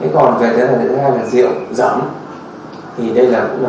còn về thế này thứ hai là rượu rẫm